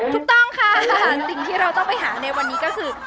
ถูกต้องค่ะสิ่งที่เราต้องไปหาในวันนี้ก็คือ